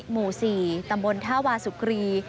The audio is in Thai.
หมู่๔ตำบลท่าวาสุกรี